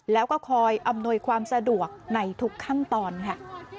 แล้วก็คอยอำนวยความสะดวกในทุกขั้นตอนค่ะ